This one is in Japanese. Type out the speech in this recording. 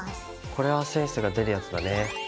これはセンスが出るヤツだね。